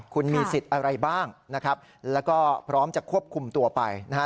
คุณมีสิทธิ์อะไรบ้างนะครับแล้วก็พร้อมจะควบคุมตัวไปนะฮะ